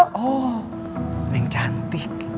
oh neng cantik